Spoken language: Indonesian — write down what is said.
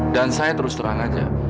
dan saya terus terang aja